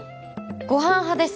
ご飯派です